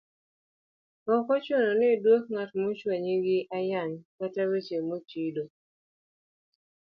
Ok ochuno ni idwok ng'at ma ochwanyi gi ayany kata weche mochido,